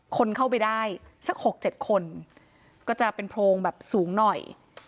คนเข้าไปได้สัก๖๗คนก็จะเป็นโพรงแบบสูงหน่อย